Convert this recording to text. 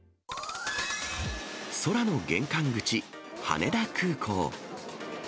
空の玄関口、羽田空港。